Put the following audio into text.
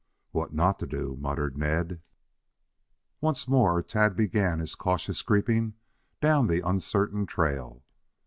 "What not to do," muttered Ned. Once more Tad began his cautious creeping down the uncertain trail.